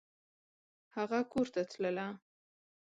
هغه کورته تلله !